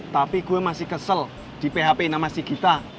tapi gue masih kesel di phpin sama si gita